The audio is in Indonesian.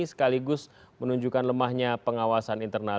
sekaligus menunjukkan lemahnya pengawasan internal